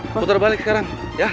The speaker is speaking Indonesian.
putar balik sekarang ya